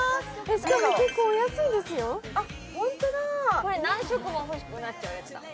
これ何色も欲しくなっちゃうやつだ